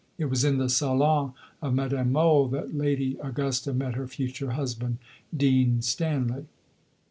It was in the salon of Madame Mohl that Lady Augusta met her future husband, Dean Stanley.